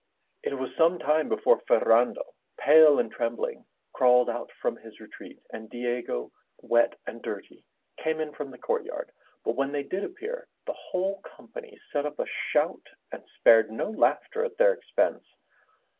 It was some time before Ferrando, pale and trembling, crawled out from his retreat, and Diego, wet and dirty, came in from the courtyard, but when they did appear, the whole company set up a shout and spared no laughter at their expense.